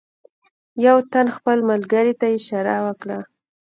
یوه تن خپل ملګري ته اشاره وکړه.